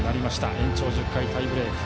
延長１０回タイブレーク。